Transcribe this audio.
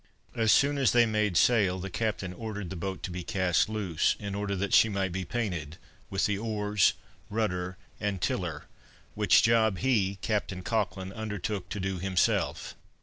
As soon as they made sail, the captain ordered the boat to be cast loose, in order that she might be painted, with the oars, rudder and tiller, which job, he (Captain Cochlan) undertook to do himself.